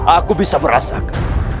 aku bisa merasakan